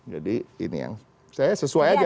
jadi ini yang saya sesuai aja